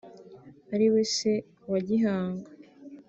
ariwe Se wa Gihanga